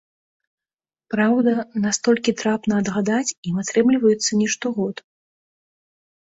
Праўда, настолькі трапна адгадаць ім атрымліваецца не штогод.